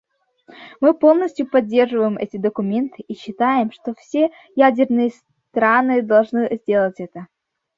Мы полностью поддерживаем эти документы и считаем, что все ядерные страны должны сделать это.